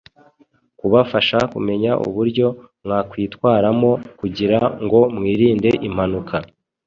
kubafasha kumenya uburyo mwakwitwaramo kugira ngo mwirinde impanuka